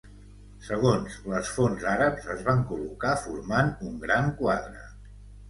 Segons les fonts àrabs es van col·locar formant un gran quadre.